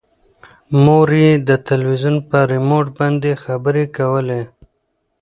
مور یې د تلویزون په ریموټ باندې خبرې کولې.